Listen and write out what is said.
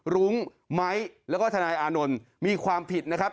รุ้งไม้แล้วก็ทนายอานนท์มีความผิดนะครับ